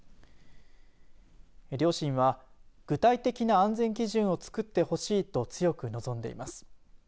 両親は具体的な安全基準を作ってほしいと強く望んでいます。